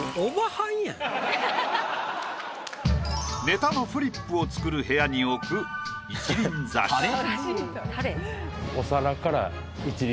ネタのフリップを作る部屋に置く一輪挿し。